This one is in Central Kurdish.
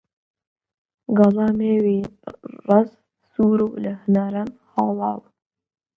گەڵای مێوی ڕەز سوورە و لە هەناران هاڵاوە